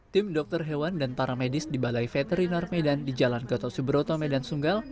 tim dokter hewan dan para medis di balai veteriner medan di jalan gatot subroto medan sunggal